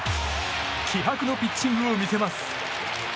気迫のピッチングを見せます。